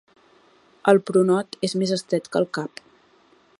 El pronot és més estret que el cap.